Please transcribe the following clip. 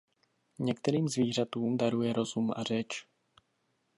Některým zvířatům daruje rozum a řeč.